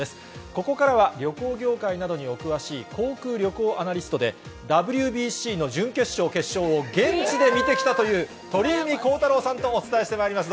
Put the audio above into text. ここからは、旅行業界などにお詳しい航空旅行アナリストで、ＷＢＣの準決勝、決勝を現地で見てきたという、鳥海高太朗さんとお伝えしてまいります。